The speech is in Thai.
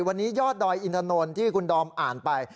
วันนี้ยอดดอยอินถนนที่คุณดอมอ่านไป